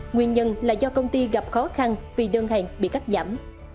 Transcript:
nguyên nhân là do công ty gặp khó khăn vì đơn hàng bị cắt giảm